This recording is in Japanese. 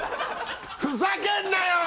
ふざけんなよ！